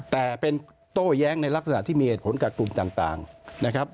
แต่เป็นโต้แย้งในลักษณะที่มีเหตุผลกับกลุ่มต่างนะครับ